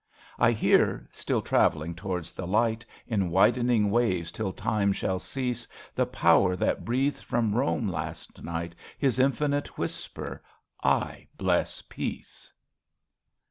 I hear, still travelling towards the Light, In widening waves till Time shall cease, The Power that breathed from Rome last night His infinite whisper —/ bless Peace.